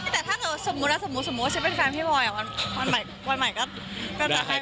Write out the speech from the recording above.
แต่ถ้าสมมุตินะสมมุติสมมุติว่าชิปเป็นแฟนพี่บอยอ่ะวันใหม่วันใหม่ก็จะใครบ้าง